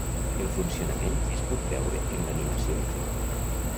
El funcionament es pot veure en l'animació adjunta.